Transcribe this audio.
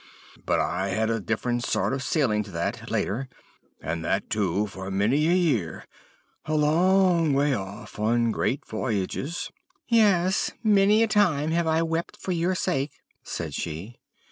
"'But I had a different sort of sailing to that, later; and that, too, for many a year; a long way off, on great voyages.' "'Yes, many a time have I wept for your sake,' said she.